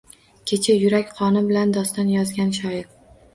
Kecha yurak qoni bilan doston yozgan shoir